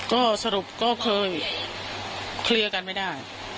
ก็สรุปก็เคยเคลียร์กันไม่ได้